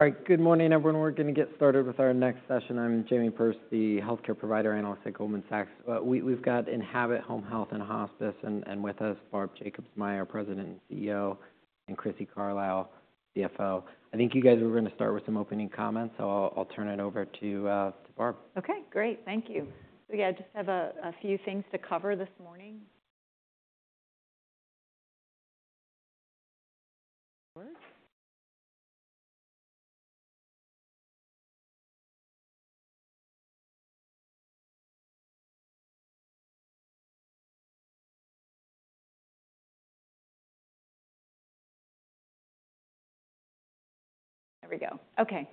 All right, good morning, everyone. We're going to get started with our next session. I'm Jamie Perse, the healthcare provider analyst at Goldman Sachs. We've got Enhabit Home Health and Hospice, and with us, Barbara Jacobsmeyer, President and CEO, and Crissy Carlisle, CFO. I think you guys were going to start with some opening comments, so I'll turn it over to Barbara. Okay, great, thank you. So yeah, I just have a few things to cover this morning. There we go. Okay,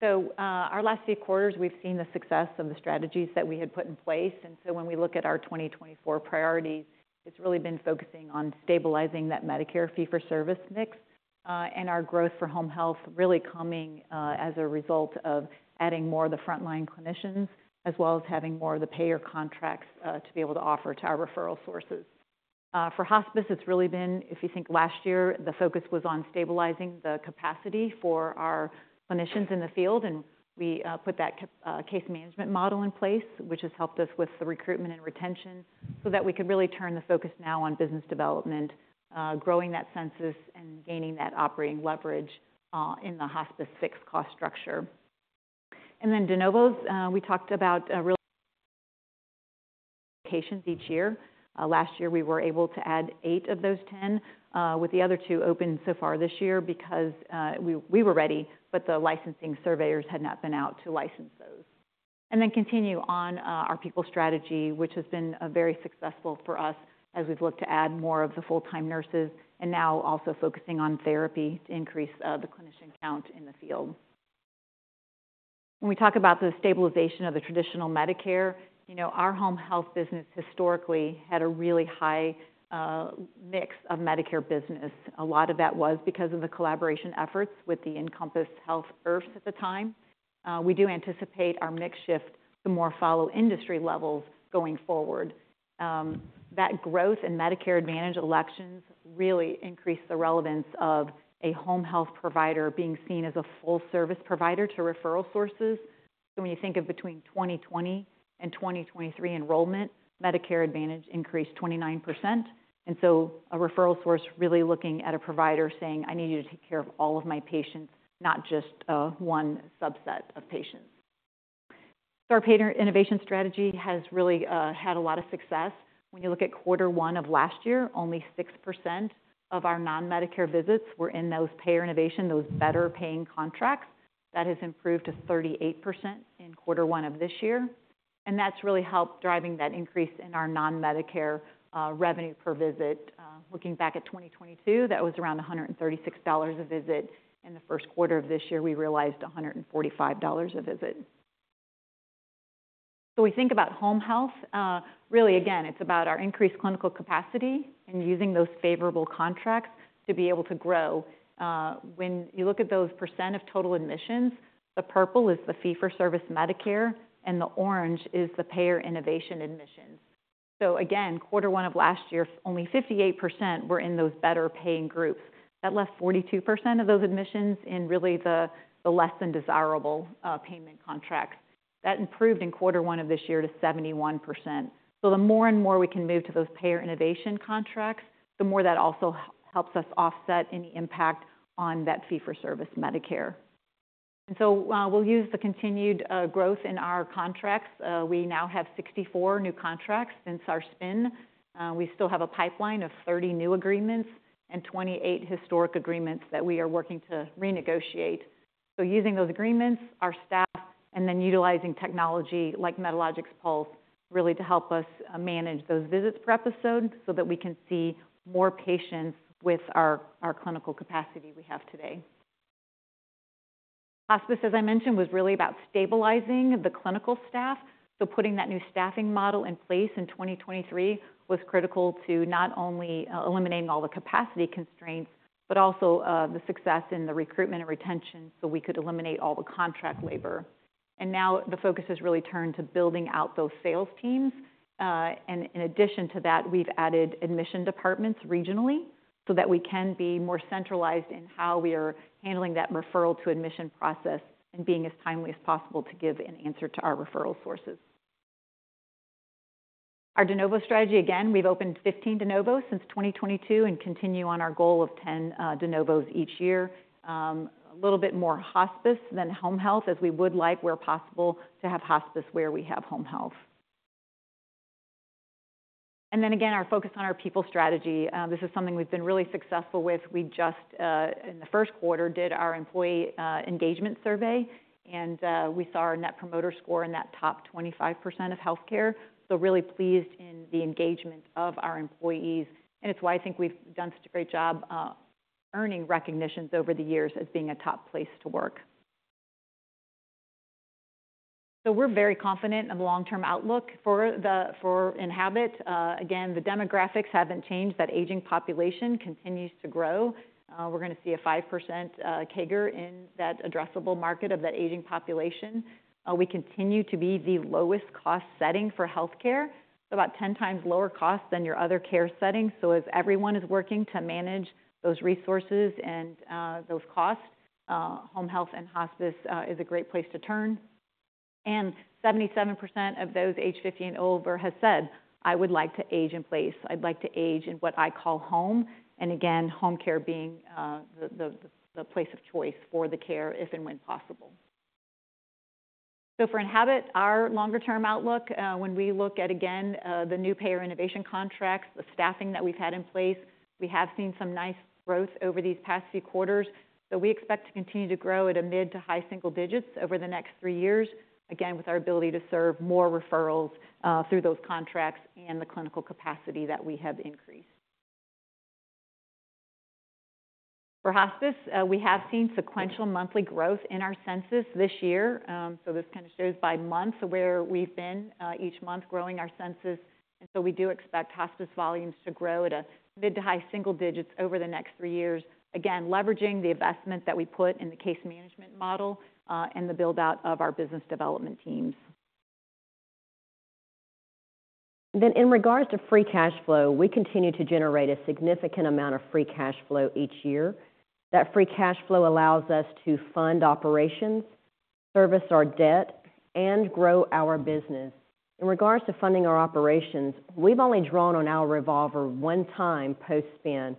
so our last few quarters, we've seen the success of the strategies that we had put in place. And so when we look at our 2024 priorities, it's really been focusing on stabilizing that Medicare Fee-for-Service mix, and our growth for home health really coming as a result of adding more of the frontline clinicians, as well as having more of the payer contracts to be able to offer to our referral sources. For hospice, it's really been, if you think last year, the focus was on stabilizing the capacity for our clinicians in the field, and we put that case management model in place, which has helped us with the recruitment and retention, so that we could really turn the focus now on business development, growing that census and gaining that operating leverage in the hospice fixed cost structure. And then de novos, we talked about really 10 locations each year. Last year, we were able to add eight of those 10, with the other two open so far this year because we were ready, but the licensing surveyors had not been out to license those. Then continue on our people strategy, which has been very successful for us as we've looked to add more of the full-time nurses, and now also focusing on therapy to increase the clinician count in the field. When we talk about the stabilization of the traditional Medicare, you know, our home health business historically had a really high mix of Medicare business. A lot of that was because of the collaboration efforts with the Encompass Health IRFs at the time. We do anticipate our mix shift to more follow-industry levels going forward. That growth in Medicare Advantage elections really increased the relevance of a home health provider being seen as a full-service provider to referral sources. So when you think of between 2020 and 2023 enrollment, Medicare Advantage increased 29%. So a referral source really looking at a provider saying, "I need you to take care of all of my patients, not just one subset of patients." Our Payer Innovation strategy has really had a lot of success. When you look at quarter one of last year, only 6% of our non-Medicare visits were in those Payer Innovation, those better-paying contracts. That has improved to 38% in quarter one of this year. And that's really helped driving that increase in our non-Medicare revenue per visit. Looking back at 2022, that was around $136 a visit. In the first quarter of this year, we realized $145 a visit. So we think about home health, really, again, it's about our increased clinical capacity and using those favorable contracts to be able to grow. When you look at those percent of total admissions, the purple is the fee-for-service Medicare, and the orange is the Payer Innovation admissions. So again, quarter one of last year, only 58% were in those better-paying groups. That left 42% of those admissions in really the less than desirable payment contracts. That improved in quarter one of this year to 71%. So the more and more we can move to those Payer Innovation contracts, the more that also helps us offset any impact on that fee-for-service Medicare. And so we'll use the continued growth in our contracts. We now have 64 new contracts since our spin. We still have a pipeline of 30 new agreements and 28 historic agreements that we are working to renegotiate. So using those agreements, our staff, and then utilizing technology like Medalogix Pulse really to help us manage those visits per episode so that we can see more patients with our clinical capacity we have today. Hospice, as I mentioned, was really about stabilizing the clinical staff. So putting that new staffing model in place in 2023 was critical to not only eliminating all the capacity constraints, but also the success in the recruitment and retention so we could eliminate all the contract labor. And now the focus has really turned to building out those sales teams. And in addition to that, we've added admission departments regionally so that we can be more centralized in how we are handling that referral to admission process and being as timely as possible to give an answer to our referral sources. Our de novo strategy, again, we've opened 15 de novos since 2022 and continue on our goal of 10 de novos each year. A little bit more hospice than home health, as we would like where possible to have hospice where we have home health. And then again, our focus on our people strategy, this is something we've been really successful with. We just, in the first quarter, did our employee engagement survey, and we saw our Net Promoter Score in that top 25% of healthcare. So really pleased in the engagement of our employees. And it's why I think we've done such a great job earning recognitions over the years as being a top place to work. So we're very confident in the long-term outlook for Enhabit. Again, the demographics haven't changed. That aging population continues to grow. We're going to see a 5% CAGR in that addressable market of that aging population. We continue to be the lowest cost setting for healthcare, about 10x lower cost than your other care setting. So as everyone is working to manage those resources and those costs, home health and hospice is a great place to turn. And 77% of those age 50 and older have said, "I would like to age in place. I'd like to age in what I call home." And again, home care being the place of choice for the care if and when possible. So for Enhabit, our longer-term outlook, when we look at, again, the new Payer Innovation contracts, the staffing that we've had in place, we have seen some nice growth over these past few quarters. So we expect to continue to grow at a mid- to high-single-digits over the next three years, again, with our ability to serve more referrals through those contracts and the clinical capacity that we have increased. For hospice, we have seen sequential monthly growth in our census this year. So this kind of shows by months where we've been each month growing our census. And so we do expect hospice volumes to grow at a mid- to high-single-digits over the next three years, again, leveraging the investment that we put in the case management model and the build-out of our business development teams. Then in regards to free cash flow, we continue to generate a significant amount of free cash flow each year. That free cash flow allows us to fund operations, service our debt, and grow our business. In regards to funding our operations, we've only drawn on our revolver one time post-spin,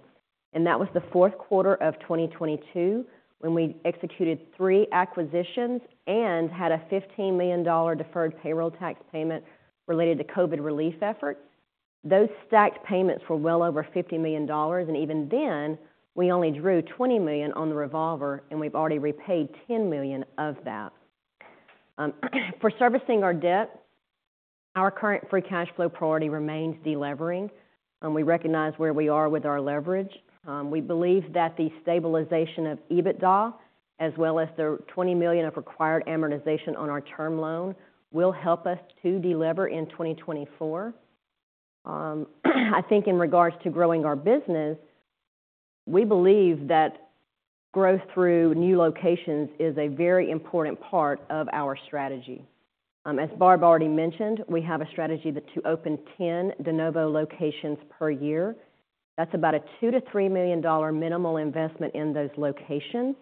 and that was the fourth quarter of 2022 when we executed three acquisitions and had a $15 million deferred payroll tax payment related to COVID relief efforts. Those stacked payments were well over $50 million, and even then, we only drew $20 million on the revolver, and we've already repaid $10 million of that. For servicing our debt, our current free cash flow priority remains delivering. We recognize where we are with our leverage. We believe that the stabilization of EBITDA, as well as the $20 million of required amortization on our term loan, will help us to deliver in 2024. I think in regards to growing our business, we believe that growth through new locations is a very important part of our strategy. As Barbara already mentioned, we have a strategy to open 10 de novo locations per year. That's about a $2 million-$3 million minimal investment in those locations.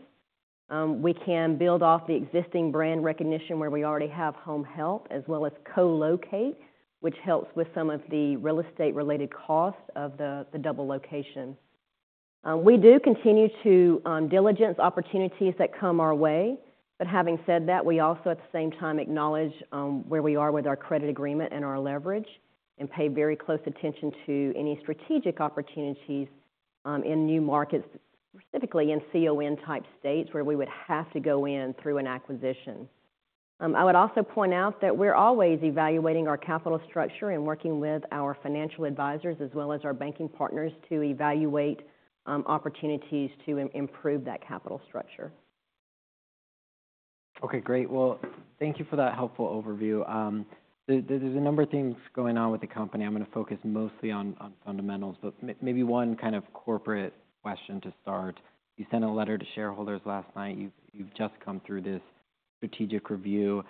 We can build off the existing brand recognition where we already have home health, as well as co-locate, which helps with some of the real estate-related costs of the double location. We do continue to diligence opportunities that come our way. But having said that, we also, at the same time, acknowledge where we are with our credit agreement and our leverage and pay very close attention to any strategic opportunities in new markets, specifically in CON-type states where we would have to go in through an acquisition. I would also point out that we're always evaluating our capital structure and working with our financial advisors, as well as our banking partners, to evaluate opportunities to improve that capital structure. Okay, great. Well, thank you for that helpful overview. There's a number of things going on with the company. I'm going to focus mostly on fundamentals, but maybe one kind of corporate question to start. You sent a letter to shareholders last night. You've just come through this strategic review.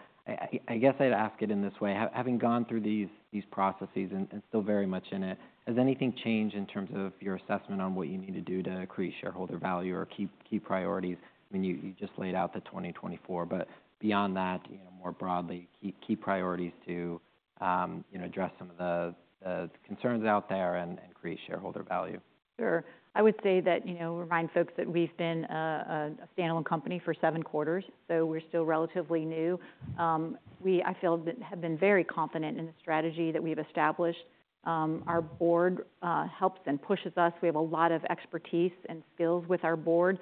I guess I'd ask it in this way. Having gone through these processes and still very much in it, has anything changed in terms of your assessment on what you need to do to create shareholder value or key priorities? I mean, you just laid out the 2024, but beyond that, more broadly, key priorities to address some of the concerns out there and create shareholder value. Sure. I would say that, you know, remind folks that we've been a standalone company for seven quarters, so we're still relatively new. I feel that have been very confident in the strategy that we've established. Our board helps and pushes us. We have a lot of expertise and skills with our board.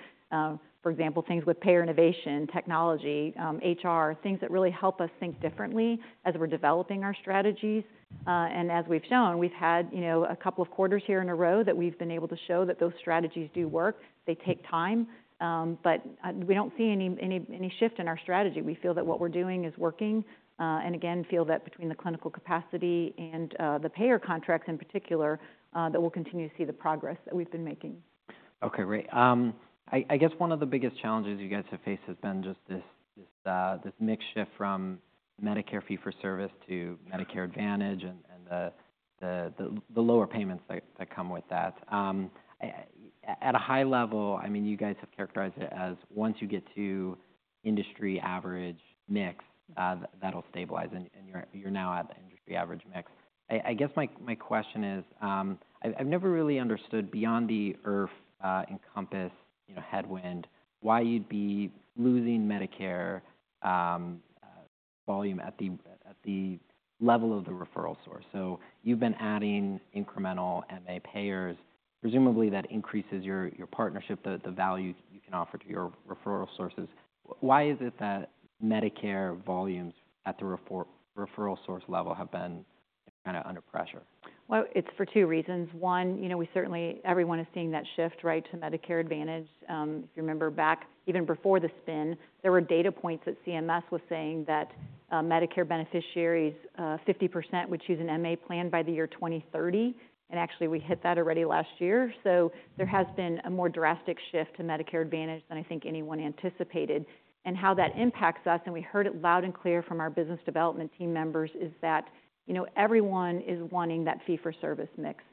For example, things with Payer Innovation, technology, HR, things that really help us think differently as we're developing our strategies. And as we've shown, we've had, you know, a couple of quarters here in a row that we've been able to show that those strategies do work. They take time, but we don't see any shift in our strategy. We feel that what we're doing is working. And again, feel that between the clinical capacity and the payer contracts in particular, that we'll continue to see the progress that we've been making. Okay, great. I guess one of the biggest challenges you guys have faced has been just this mix shift from Medicare Fee-for-Service to Medicare Advantage and the lower payments that come with that. At a high level, I mean, you guys have characterized it as once you get to industry average mix, that'll stabilize, and you're now at the industry average mix. I guess my question is, I've never really understood beyond the IRF Encompass headwind why you'd be losing Medicare volume at the level of the referral source. So you've been adding incremental MA payers. Presumably, that increases your partnership, the value you can offer to your referral sources. Why is it that Medicare volumes at the referral source level have been kind of under pressure? Well, it's for two reasons. One, you know, we certainly, everyone is seeing that shift, right, to Medicare Advantage. If you remember back, even before the spin, there were data points that CMS was saying that Medicare beneficiaries, 50%, would choose an MA plan by the year 2030. And actually, we hit that already last year. So there has been a more drastic shift to Medicare Advantage than I think anyone anticipated. And how that impacts us, and we heard it loud and clear from our business development team members, is that, you know, everyone is wanting that fee-for-service mix.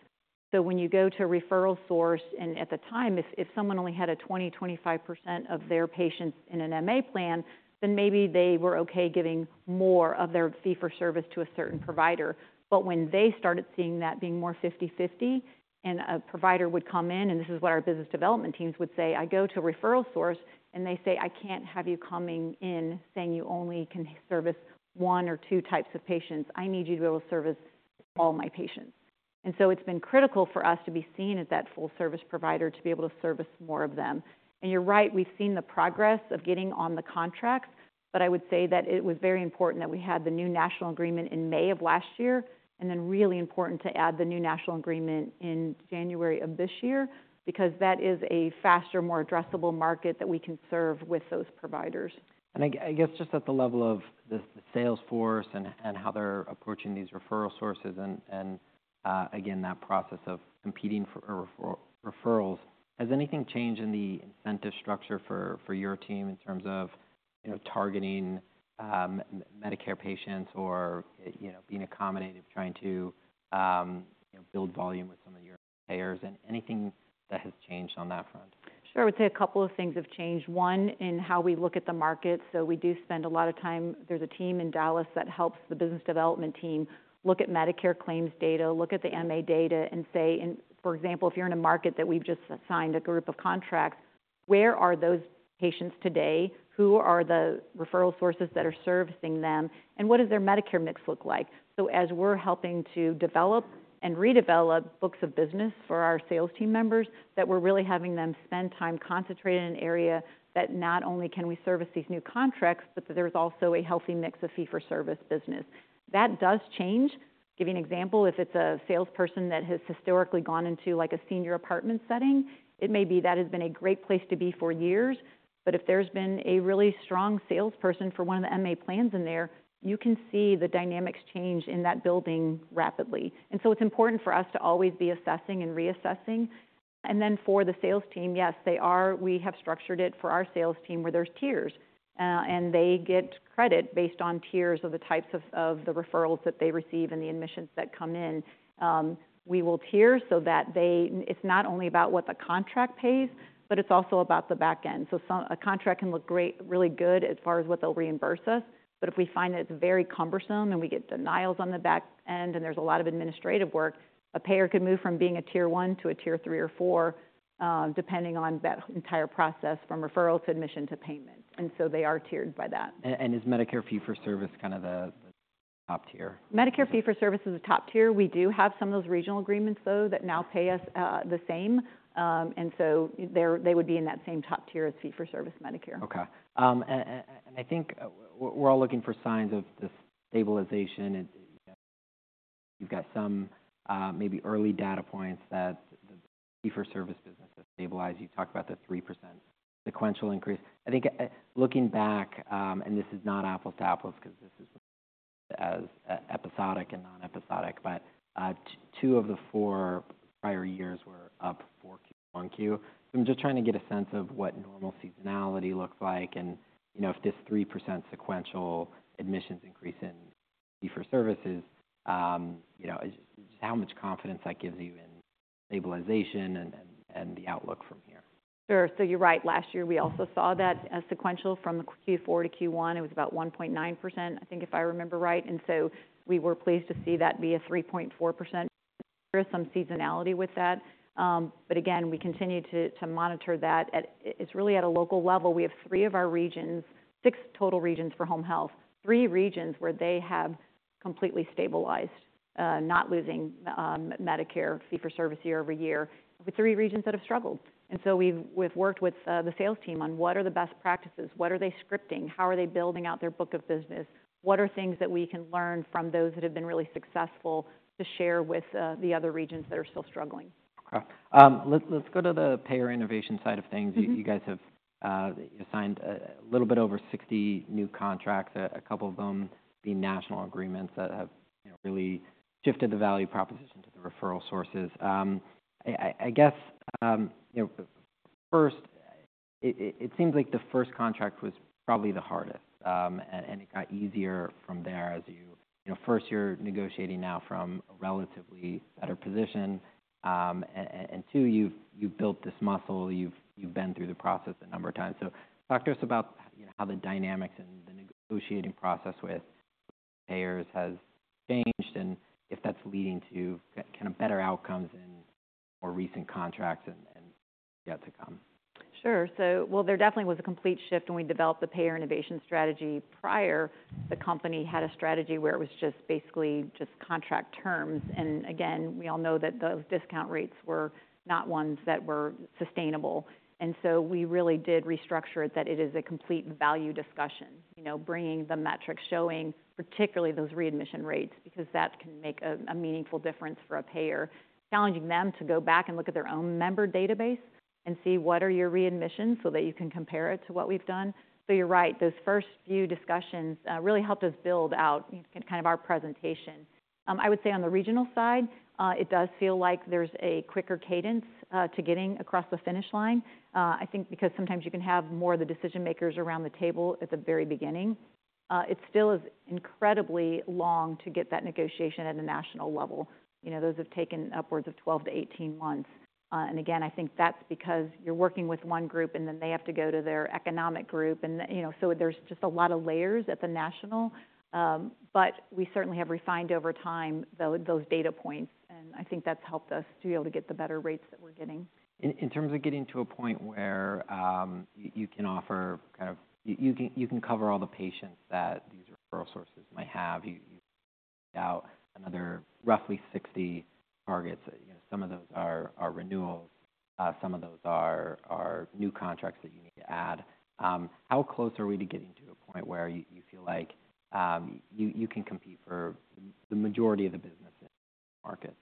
So when you go to a referral source, and at the time, if someone only had a 20%-25% of their patients in an MA plan, then maybe they were okay giving more of their fee-for-service to a certain provider. But when they started seeing that being more 50/50, and a provider would come in, and this is what our business development teams would say, "I go to a referral source," and they say, "I can't have you coming in saying you only can service one or two types of patients. I need you to be able to service all my patients." And so it's been critical for us to be seen as that full-service provider to be able to service more of them. And you're right, we've seen the progress of getting on the contracts, but I would say that it was very important that we had the new national agreement in May of last year, and then really important to add the new national agreement in January of this year because that is a faster, more addressable market that we can serve with those providers. I guess just at the level of the sales force and how they're approaching these referral sources and, again, that process of competing for referrals, has anything changed in the incentive structure for your team in terms of targeting Medicare patients or being accommodative, trying to build volume with some of your payers? Anything that has changed on that front? Sure. I would say a couple of things have changed. One, in how we look at the market. So we do spend a lot of time, there's a team in Dallas that helps the business development team look at Medicare claims data, look at the MA data, and say, for example, if you're in a market that we've just signed a group of contracts, where are those patients today? Who are the referral sources that are servicing them? And what does their Medicare mix look like? So as we're helping to develop and redevelop books of business for our sales team members, that we're really having them spend time concentrated in an area that not only can we service these new contracts, but that there's also a healthy mix of fee-for-service business. That does change. Give you an example, if it's a salesperson that has historically gone into like a senior apartment setting, it may be that has been a great place to be for years. But if there's been a really strong salesperson for one of the MA plans in there, you can see the dynamics change in that building rapidly. And so it's important for us to always be assessing and reassessing. And then for the sales team, yes, they are, we have structured it for our sales team where there's tiers, and they get credit based on tiers of the types of the referrals that they receive and the admissions that come in. We will tier so that it's not only about what the contract pays, but it's also about the backend. So a contract can look really good as far as what they'll reimburse us, but if we find that it's very cumbersome and we get denials on the backend and there's a lot of administrative work, a payer could move from being a tier one to a tier three or four, depending on that entire process from referral to admission to payment. And so they are tiered by that. Is Medicare Fee-for-Service kind of the top tier? Medicare Fee-for-Service is the top tier. We do have some of those regional agreements, though, that now pay us the same. And so they would be in that same top tier as Fee-for-Service Medicare. Okay. And I think we're all looking for signs of this stabilization. You've got some maybe early data points that the fee-for-service business has stabilized. You talked about the 3% sequential increase. I think looking back, and this is not apples to apples because this is episodic and non-episodic, but two of the four prior years were up four Qs to one Q. So I'm just trying to get a sense of what normal seasonality looks like and, you know, if this 3% sequential admissions increase in fee-for-service is, you know, just how much confidence that gives you in stabilization and the outlook from here. Sure. So you're right. Last year, we also saw that sequential from Q4 to Q1. It was about 1.9%, I think, if I remember right. And so we were pleased to see that be a 3.4%. There is some seasonality with that. But again, we continue to monitor that. It's really at a local level. We have three of our regions, six total regions for home health, three regions where they have completely stabilized, not losing Medicare Fee-for-Service year-over-year. We have three regions that have struggled. And so we've worked with the sales team on what are the best practices, what are they scripting, how are they building out their book of business, what are things that we can learn from those that have been really successful to share with the other regions that are still struggling. Okay. Let's go to the Payer Innovation side of things. You guys have signed a little bit over 60 new contracts, a couple of them being national agreements that have really shifted the value proposition to the referral sources. I guess, you know, first, it seems like the first contract was probably the hardest, and it got easier from there as you, you know, first, you're negotiating now from a relatively better position. And two, you've built this muscle. You've been through the process a number of times. So talk to us about how the dynamics and the negotiating process with payers has changed and if that's leading to kind of better outcomes in more recent contracts and what's yet to come. Sure. So, well, there definitely was a complete shift when we developed the Payer Innovation strategy prior. The company had a strategy where it was just basically just contract terms. And again, we all know that those discount rates were not ones that were sustainable. And so we really did restructure it that it is a complete value discussion, you know, bringing the metrics showing, particularly those readmission rates, because that can make a meaningful difference for a payer. Challenging them to go back and look at their own member database and see what are your readmissions so that you can compare it to what we've done. So you're right, those first few discussions really helped us build out kind of our presentation. I would say on the regional side, it does feel like there's a quicker cadence to getting across the finish line. I think because sometimes you can have more of the decision makers around the table at the very beginning. It still is incredibly long to get that negotiation at a national level. You know, those have taken upwards of 12-18 months. And again, I think that's because you're working with one group and then they have to go to their economic group. And, you know, so there's just a lot of layers at the national. But we certainly have refined over time those data points. And I think that's helped us to be able to get the better rates that we're getting. In terms of getting to a point where you can offer kind of, you can cover all the patients that these referral sources might have, you laid out another roughly 60 targets. Some of those are renewals. Some of those are new contracts that you need to add. How close are we to getting to a point where you feel like you can compete for the majority of the business in the market?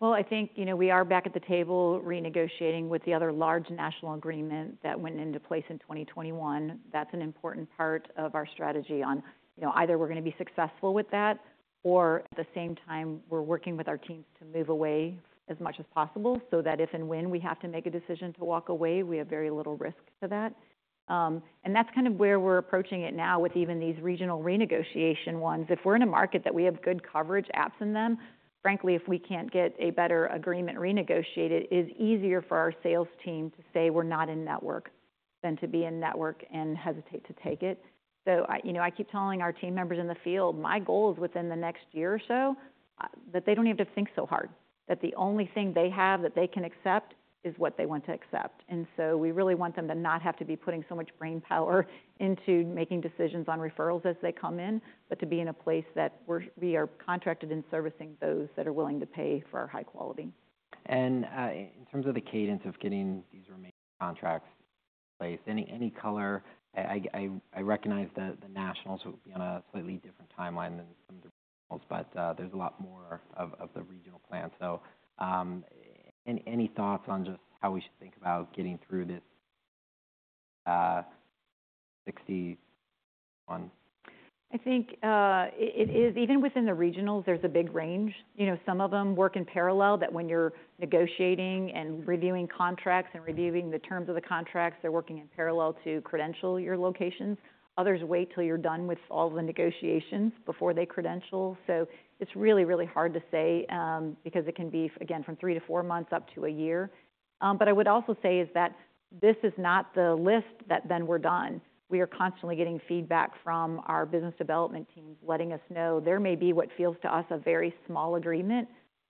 Well, I think, you know, we are back at the table renegotiating with the other large national agreement that went into place in 2021. That's an important part of our strategy on, you know, either we're going to be successful with that or at the same time, we're working with our teams to move away as much as possible so that if and when we have to make a decision to walk away, we have very little risk to that. And that's kind of where we're approaching it now with even these regional renegotiation ones. If we're in a market that we have good coverage as in them, frankly, if we can't get a better agreement renegotiated, it is easier for our sales team to say we're not in network than to be in network and hesitate to take it. So, you know, I keep telling our team members in the field, my goal is within the next year or so that they don't have to think so hard, that the only thing they have that they can accept is what they want to accept. And so we really want them to not have to be putting so much brain power into making decisions on referrals as they come in, but to be in a place that we are contracted in servicing those that are willing to pay for our high quality. In terms of the cadence of getting these remaining contracts in place, any color? I recognize that the nationals would be on a slightly different timeline than some of the regionals, but there's a lot more of the regional plan. Any thoughts on just how we should think about getting through this 60? I think it is, even within the regionals, there's a big range. You know, some of them work in parallel that when you're negotiating and reviewing contracts and reviewing the terms of the contracts, they're working in parallel to credential your locations. Others wait till you're done with all the negotiations before they credential. So it's really, really hard to say because it can be, again, from 3-4 months up to a year. But I would also say is that this is not the list that then we're done. We are constantly getting feedback from our business development teams letting us know there may be what feels to us a very small agreement,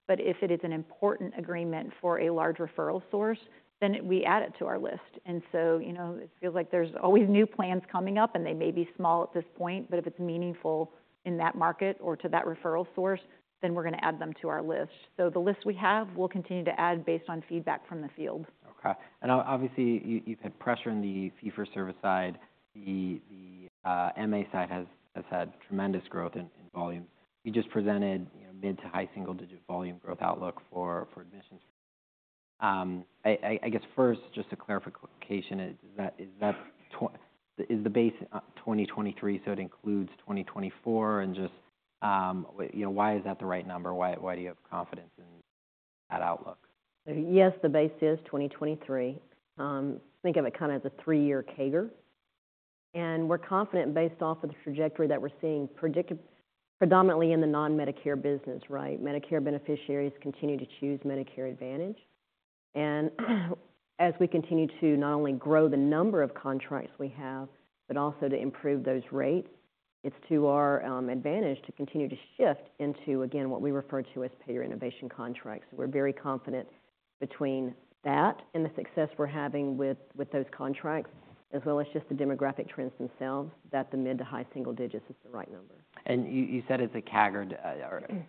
but if it is an important agreement for a large referral source, then we add it to our list. And so, you know, it feels like there's always new plans coming up and they may be small at this point, but if it's meaningful in that market or to that referral source, then we're going to add them to our list. So the list we have, we'll continue to add based on feedback from the field. Okay. Obviously, you've had pressure in the fee-for-service side. The MA side has had tremendous growth in volumes. You just presented mid- to high single-digit volume growth outlook for admissions. I guess first, just for clarification, is the base 2023, so it includes 2024? And just, you know, why is that the right number? Why do you have confidence in that outlook? Yes, the base is 2023. Think of it kind of as a three-year CAGR. And we're confident based off of the trajectory that we're seeing predominantly in the non-Medicare business, right? Medicare beneficiaries continue to choose Medicare Advantage. And as we continue to not only grow the number of contracts we have, but also to improve those rates, it's to our advantage to continue to shift into, again, what we refer to as Payer Innovation contracts. We're very confident between that and the success we're having with those contracts, as well as just the demographic trends themselves, that the mid to high single digits is the right number. You said it's a CAGR.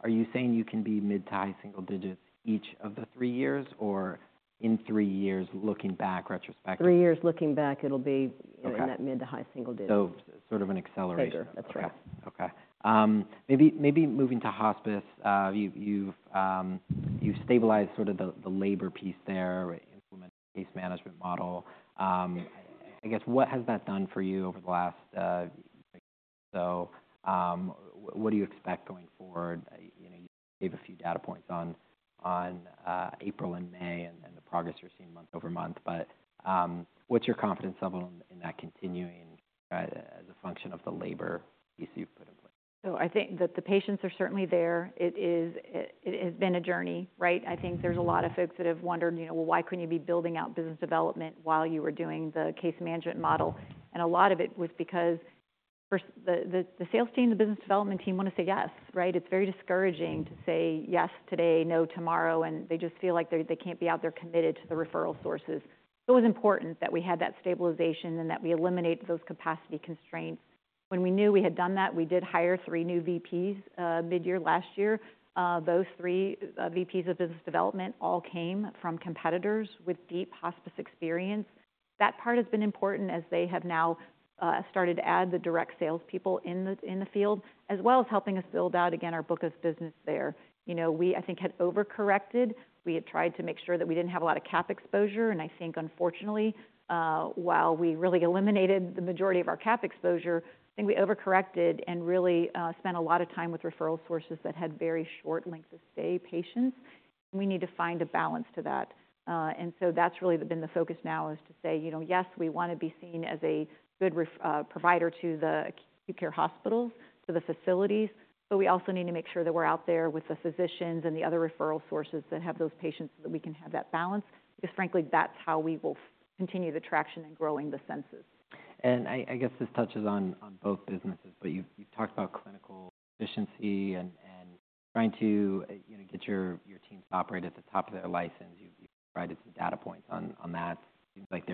Are you saying you can be mid to high single digits each of the three years or in three years looking back, retrospectively? Three years looking back, it'll be in that mid to high single digits. So sort of an accelerator. That's right. Okay. Okay. Maybe moving to hospice, you've stabilized sort of the labor piece there, implemented a case management model. I guess what has that done for you over the last? So what do you expect going forward? You gave a few data points on April and May and the progress you're seeing month-over-month, but what's your confidence level in that continuing as a function of the labor piece you've put in place? So I think that the patients are certainly there. It has been a journey, right? I think there's a lot of folks that have wondered, you know, well, why couldn't you be building out business development while you were doing the case management model? And a lot of it was because the sales team, the business development team want to say yes, right? It's very discouraging to say yes today, no tomorrow, and they just feel like they can't be out there committed to the referral sources. It was important that we had that stabilization and that we eliminate those capacity constraints. When we knew we had done that, we did hire three new VPs mid-year last year. Those three VPs of business development all came from competitors with deep hospice experience. That part has been important as they have now started to add the direct salespeople in the field, as well as helping us build out, again, our book of business there. You know, we, I think, had overcorrected. We had tried to make sure that we didn't have a lot of cap exposure. I think, unfortunately, while we really eliminated the majority of our cap exposure, I think we overcorrected and really spent a lot of time with referral sources that had very short length of stay patients. We need to find a balance to that. And so that's really been the focus now is to say, you know, yes, we want to be seen as a good provider to the acute care hospitals, to the facilities, but we also need to make sure that we're out there with the physicians and the other referral sources that have those patients so that we can have that balance because, frankly, that's how we will continue the traction and growing the census. I guess this touches on both businesses, but you've talked about clinical efficiency and trying to get your teams to operate at the top of their license. You provided some data points on that. Seems like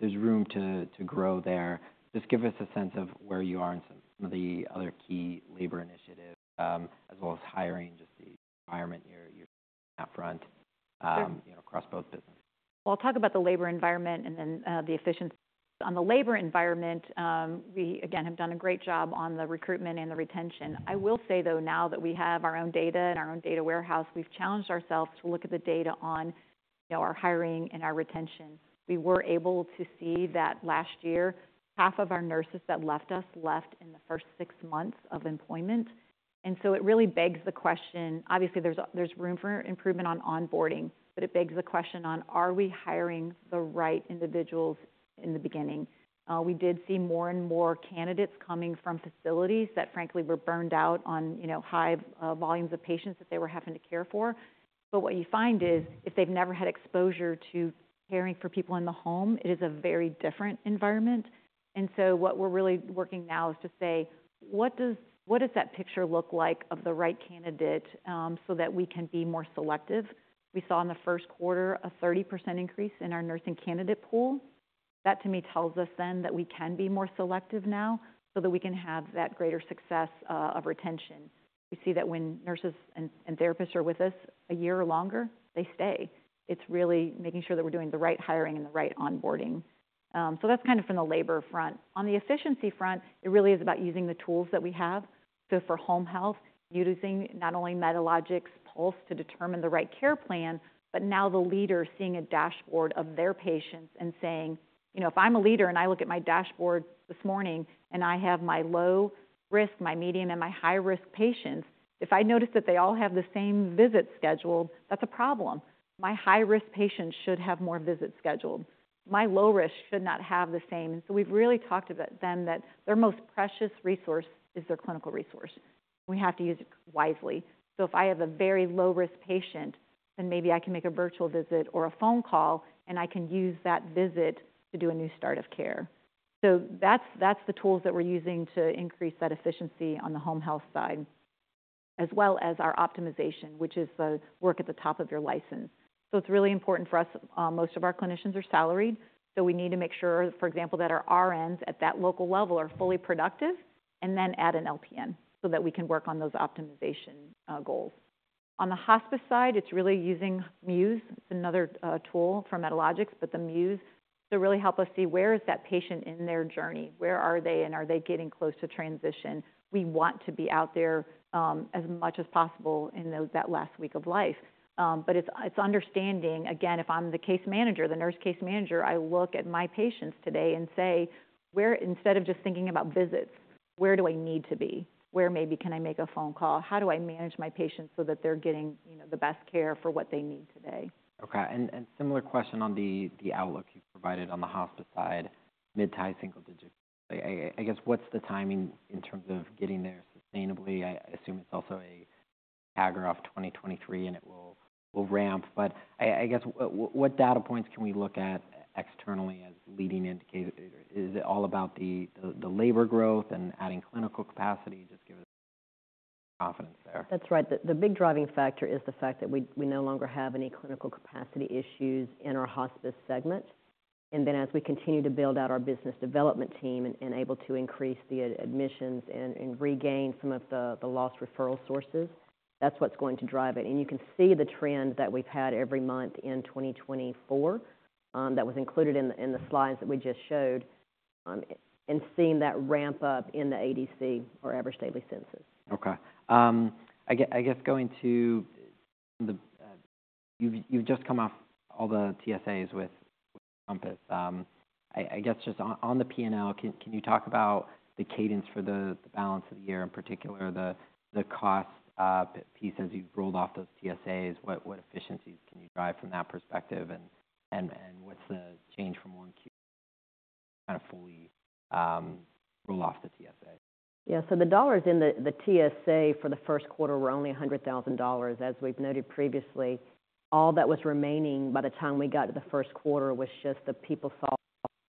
there's room to grow there. Just give us a sense of where you are and some of the other key labor initiatives, as well as hiring, just the environment you're in that front, you know, across both businesses? Well, I'll talk about the labor environment and then the efficiency. On the labor environment, we, again, have done a great job on the recruitment and the retention. I will say, though, now that we have our own data and our own data warehouse, we've challenged ourselves to look at the data on our hiring and our retention. We were able to see that last year, half of our nurses that left us left in the first six months of employment. And so it really begs the question, obviously, there's room for improvement on onboarding, but it begs the question on, are we hiring the right individuals in the beginning? We did see more and more candidates coming from facilities that, frankly, were burned out on, you know, high volumes of patients that they were having to care for. But what you find is if they've never had exposure to caring for people in the home, it is a very different environment. And so what we're really working now is to say, what does that picture look like of the right candidate so that we can be more selective? We saw in the first quarter a 30% increase in our nursing candidate pool. That, to me, tells us then that we can be more selective now so that we can have that greater success of retention. We see that when nurses and therapists are with us a year or longer, they stay. It's really making sure that we're doing the right hiring and the right onboarding. So that's kind of from the labor front. On the efficiency front, it really is about using the tools that we have. So for home health, using not only Medalogix Pulse to determine the right care plan, but now the leader seeing a dashboard of their patients and saying, you know, if I'm a leader and I look at my dashboard this morning and I have my low risk, my medium, and my high risk patients, if I notice that they all have the same visits scheduled, that's a problem. My high risk patients should have more visits scheduled. My low risk should not have the same. And so we've really talked about then that their most precious resource is their clinical resource. We have to use it wisely. So if I have a very low risk patient, then maybe I can make a virtual visit or a phone call and I can use that visit to do a new start of care. So that's the tools that we're using to increase that efficiency on the home health side, as well as our optimization, which is the work at the top of your license. So it's really important for us. Most of our clinicians are salaried. So we need to make sure, for example, that our RNs at that local level are fully productive and then add an LPN so that we can work on those optimization goals. On the hospice side, it's really using Muse. It's another tool from Medalogix, but the Muse to really help us see where is that patient in their journey? Where are they? And are they getting close to transition? We want to be out there as much as possible in that last week of life. But it's understanding, again, if I'm the case manager, the nurse case manager, I look at my patients today and say, instead of just thinking about visits, where do I need to be? Where maybe can I make a phone call? How do I manage my patients so that they're getting the best care for what they need today? Okay. Similar question on the outlook you provided on the hospice side, mid- to high-single digits. I guess what's the timing in terms of getting there sustainably? I assume it's also a CAGR of 2023 and it will ramp. I guess what data points can we look at externally as leading indicators? Is it all about the labor growth and adding clinical capacity? Just give us confidence there. That's right. The big driving factor is the fact that we no longer have any clinical capacity issues in our hospice segment. And then as we continue to build out our business development team and able to increase the admissions and regain some of the lost referral sources, that's what's going to drive it. And you can see the trend that we've had every month in 2024 that was included in the slides that we just showed and seeing that ramp up in the ADC or average daily census. Okay. I guess going to some of the you've just come off all the TSAs with Encompass. I guess just on the P&L, can you talk about the cadence for the balance of the year in particular, the cost piece as you've rolled off those TSAs? What efficiencies can you drive from that perspective? And what's the change from one acute to kind of fully roll off the TSA? Yeah. So the dollars in the TSA for the first quarter were only $100,000. As we've noted previously, all that was remaining by the time we got to the first quarter was just the PeopleSoft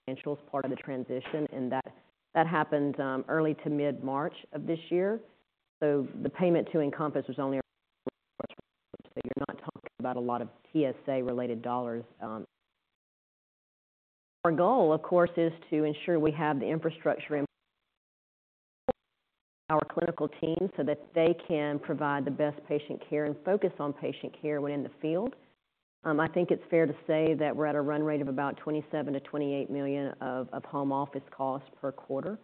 Financials part of the transition. And that happened early to mid-March of this year. So the payment to Encompass was only a refreshment. So you're not talking about a lot of TSA-related dollars. Our goal, of course, is to ensure we have the infrastructure in our clinical team so that they can provide the best patient care and focus on patient care when in the field. I think it's fair to say that we're at a run rate of about $27 million-$28 million of home office costs per quarter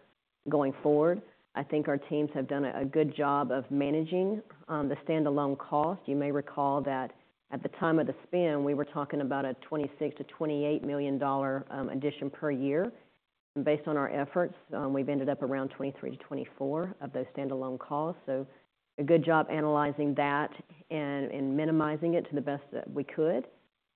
going forward. I think our teams have done a good job of managing the standalone cost. You may recall that at the time of the spin, we were talking about a $26-$28 million addition per year. And based on our efforts, we've ended up around $23-$24 million of those standalone costs. So a good job analyzing that and minimizing it to the best that we could.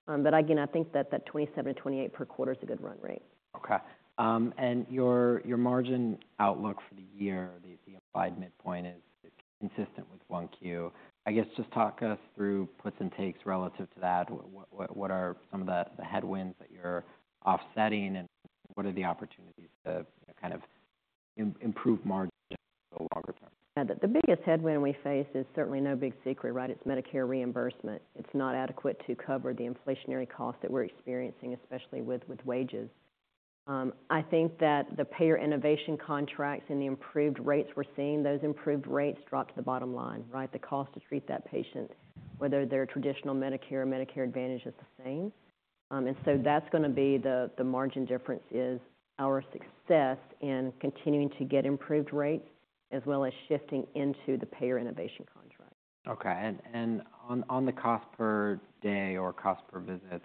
But again, I think that that $27-$28 million per quarter is a good run rate. Okay. And your margin outlook for the year, the implied midpoint is consistent with 1Q. I guess just talk us through puts and takes relative to that. What are some of the headwinds that you're offsetting and what are the opportunities to kind of improve margins over the longer term? The biggest headwind we face is certainly no big secret, right? It's Medicare reimbursement. It's not adequate to cover the inflationary costs that we're experiencing, especially with wages. I think that the Payer Innovation contracts and the improved rates we're seeing, those improved rates drop to the bottom line, right? The cost to treat that patient, whether they're traditional Medicare or Medicare Advantage, is the same. And so that's going to be the margin difference is our success in continuing to get improved rates as well as shifting into the Payer Innovation contract. Okay. On the cost per day or cost per visit,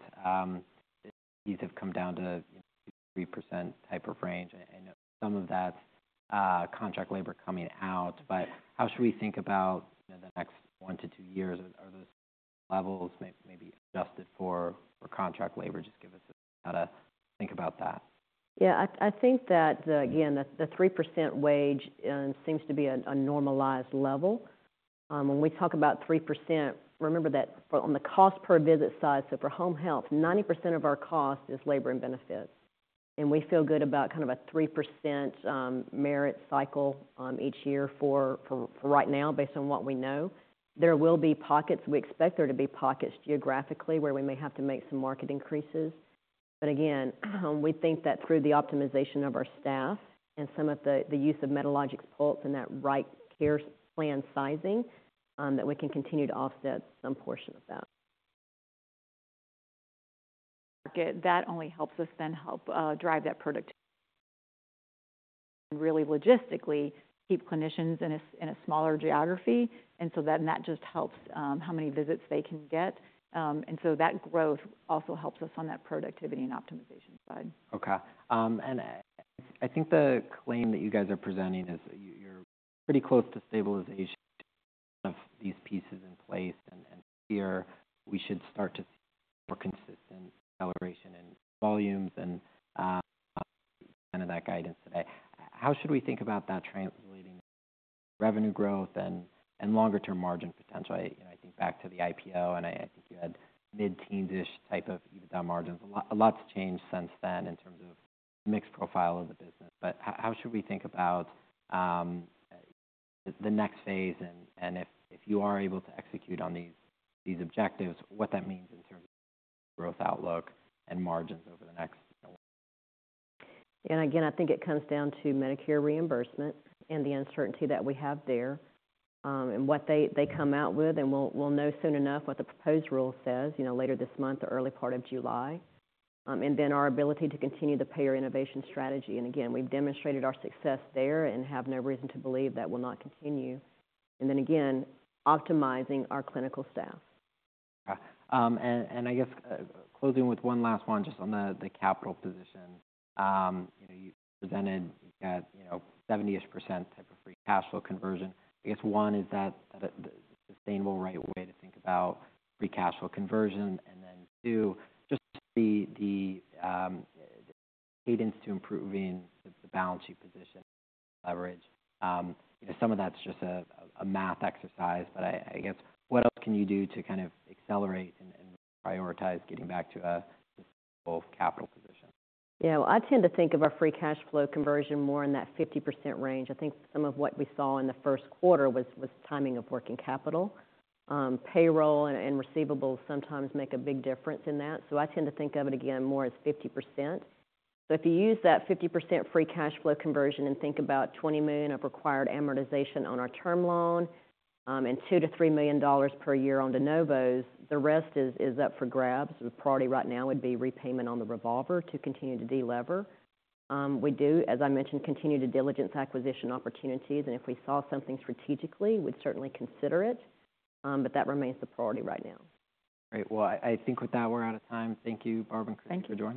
these have come down to 3% type of range. I know some of that's contract labor coming out, but how should we think about the next 1-2 years? Are those levels maybe adjusted for contract labor? Just give us a think about that. Yeah. I think that, again, the 3% wage seems to be a normalized level. When we talk about 3%, remember that on the cost per visit side, so for home health, 90% of our cost is labor and benefits. And we feel good about kind of a 3% merit cycle each year for right now, based on what we know. There will be pockets. We expect there to be pockets geographically where we may have to make some market increases. But again, we think that through the optimization of our staff and some of the use of Medalogix Pulse and that right care plan sizing, that we can continue to offset some portion of that. That only helps us then help drive that productivity and really logistically keep clinicians in a smaller geography. And so then that just helps how many visits they can get. That growth also helps us on that productivity and optimization side. Okay. I think the claim that you guys are presenting is you're pretty close to stabilization of these pieces in place. This year, we should start to see more consistent acceleration in volumes and kind of that guidance today. How should we think about that translating revenue growth and longer-term margin potential? I think back to the IPO, and I think you had mid-teens-ish type of EBITDA margins. A lot's changed since then in terms of the mixed profile of the business. But how should we think about the next phase and if you are able to execute on these objectives, what that means in terms of growth outlook and margins over the next? And again, I think it comes down to Medicare reimbursement and the uncertainty that we have there and what they come out with. And we'll know soon enough what the proposed rule says, you know, later this month, early part of July. And then our ability to continue the Payer Innovation strategy. And again, we've demonstrated our success there and have no reason to believe that will not continue. And then again, optimizing our clinical staff. Okay. And I guess closing with one last one, just on the capital position. You presented you've got 70-ish% type of free cash flow conversion. I guess one, is that a sustainable right way to think about free cash flow conversion? And then two, just the cadence to improving the balance sheet position leverage. Some of that's just a math exercise, but I guess what else can you do to kind of accelerate and really prioritize getting back to a sustainable capital position? Yeah. Well, I tend to think of our free cash flow conversion more in that 50% range. I think some of what we saw in the first quarter was timing of working capital. Payroll and receivables sometimes make a big difference in that. So I tend to think of it again more as 50%. So if you use that 50% free cash flow conversion and think about $20 million of required amortization on our term loan and $2 million-$3 million per year on de novos, the rest is up for grabs. The priority right now would be repayment on the revolver to continue to de-lever. We do, as I mentioned, continue to diligence acquisition opportunities. And if we saw something strategically, we'd certainly consider it. But that remains the priority right now. Great. Well, I think with that, we're out of time. Thank you, Barbara and Crissy, for joining us.